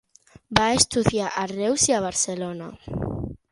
Va estudiar a Reus i Barcelona.